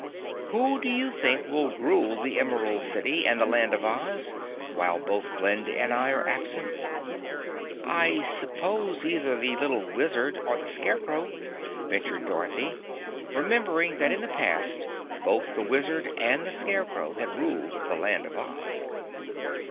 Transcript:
"Who do you think will rule the Emerald City and the Land of Oz, while both Glinda and I are absent?" "I suppose either the Little Wizard or the Scarecrow," ventured Dorothy, remembering that in the past both the Wizard and the Scarecrow had ruled the Land of Oz.